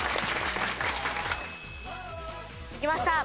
できました！